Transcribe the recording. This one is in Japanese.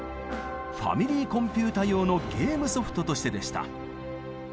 ファミリーコンピュータ用のゲームソフトとしてでした。